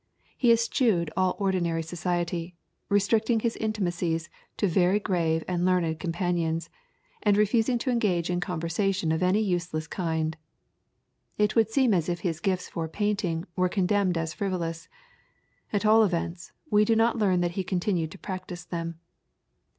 He eschewed all ordinary society, restricting his intimacies to very grave and learned companions, and refusing to engage in conversation of any useless kind. It would seem as if his gifts for painting were condemned as frivolous; at all events, we do not learn that he continued to practise them.